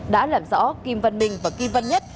đã làm rõ kim vân minh và kim vân nhất